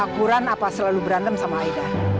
kau selalu berantem sama aida